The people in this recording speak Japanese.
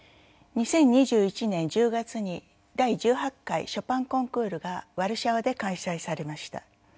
２０２１年１０月に第１８回ショパンコンクールがワルシャワで開催されました。